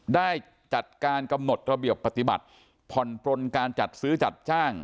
ได้จัดการกำหนดระเบียบปฏิบัติผ่อนปลนการจัดซื้อจัดจ้าง